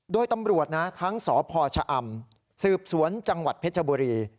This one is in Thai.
โดยตำรวจนะทั้งสพชะอำสืบสวนจังหวัดเพชรบุรี